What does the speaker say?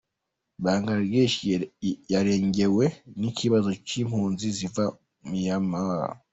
Bangladesh yarengewe n'ikibazo c'impunzi ziva Myanmar.